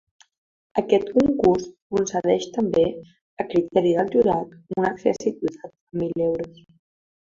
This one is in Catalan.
Aquest concurs concedeix també, a criteri del jurat, un accèssit dotat amb mil euros.